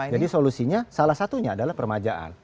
jadi solusinya salah satunya adalah permajaan